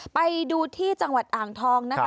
ไปดูที่จังหวัดอ่างทองนะคะ